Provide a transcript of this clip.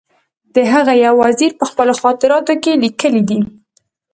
د هغه یو وزیر په خپلو خاطراتو کې لیکلي دي.